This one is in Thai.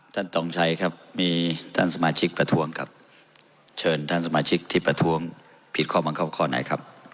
ตองชัยครับมีท่านสมาชิกประท้วงครับเชิญท่านสมาชิกที่ประท้วงผิดข้อบังคับข้อไหนครับ